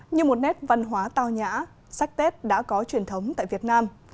như một nét văn hóa tào nhã sách tết đã có truyền thống tại việt nam